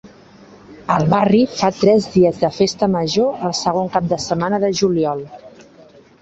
El barri fa tres dies de festa major el segon cap de setmana de juliol.